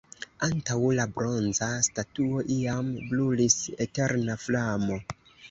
Antaŭ la bronza statuo iam brulis eterna flamo.